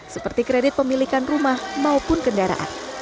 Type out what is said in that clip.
seperti kredit pemilikan rumah maupun kendaraan